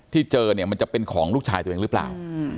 เจอเนี่ยมันจะเป็นของลูกชายตัวเองหรือเปล่า